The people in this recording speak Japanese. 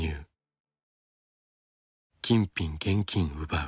金品現金奪う」。